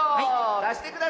だしてください。